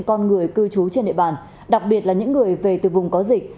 con người cư trú trên địa bàn đặc biệt là những người về từ vùng có dịch